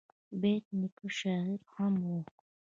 بېټ نیکه شاعر هم و.